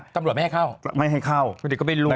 ตำรวจไม่ให้เข้าคุณเด็กก็ไม่รู้นะครับนี่มีไหมลองดูนะ